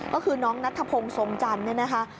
ก็คือน้องนัทธพงศ์ทรงจันทร์เนี่ยนะคะ